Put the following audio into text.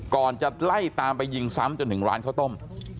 ก่อนจะไล่ตามไปยิงซ้ำจนถึงร้านข้าวต้ม